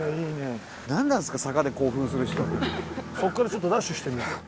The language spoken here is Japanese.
そこからちょっとダッシュしてみよう。